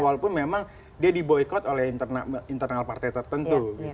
walaupun memang dia di boycott oleh internal partai tertentu